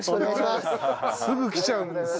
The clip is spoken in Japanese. すぐ来ちゃうんですよ。